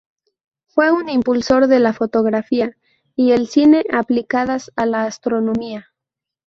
Fue un impulsor de la fotografía y el cine aplicadas a la Astronomía.